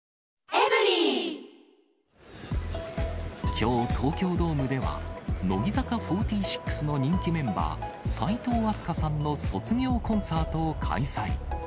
きょう、東京ドームでは、乃木坂４６の人気メンバー、齋藤飛鳥さんの卒業コンサートを開催。